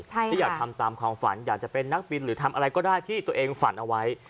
ที่อยากทำตามความฝันอยากจะเป็นนักบินหรือทำอะไรก็ได้ที่ตัวเองฝันเอาไว้